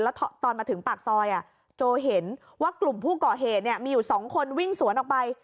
แล้วตอนมาถึงปากซอยโจเห็นว่ากลุ่มผู้ก่อเหตุมีอยู่๒คนวิ่งสวนออกไป